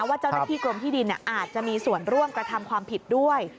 ว่าเจ้าหน้าที่กรมที่ดินอาจจะมีส่วนร่วมกระทำความผิดด้วย